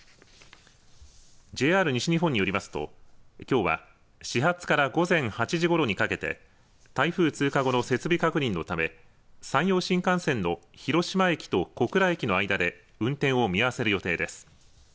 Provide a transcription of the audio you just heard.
ＪＲ西日本によりますときょうは始発から午前８時ごろにかけて台風通過後の設備確認のため山陽新幹線の広島駅と小倉駅の間で運転を見合わせる予定です。